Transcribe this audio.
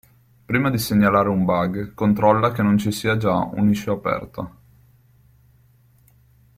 Prima di segnalare un bug controlla che non ci sia già un issue aperto.